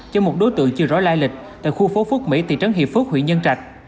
cho một đối tượng chưa rõ lai lịch tại khu phố phước mỹ thị trấn hiệp phước huyện nhân trạch